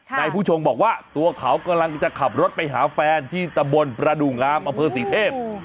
นายผู้ชงบอกว่าตัวเขากำลังจะขับรถไปหาแฟนที่ตะบนประดูกงามอำเภอศรีเทพ